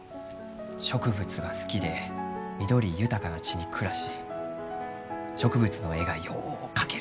植物が好きで緑豊かな地に暮らし植物の絵がよう描ける。